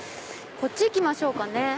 こっち行きましょうかね。